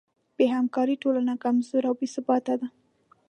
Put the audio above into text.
بېهمکارۍ ټولنه کمزورې او بېثباته ده.